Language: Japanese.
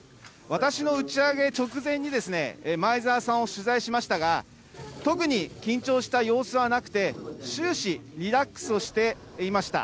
私、打ち上げ直前に前澤さんを取材しましたが、特に緊張した様子はなくて、終始リラックスをしていました。